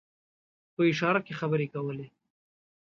په اشاره کې خبرې کولې.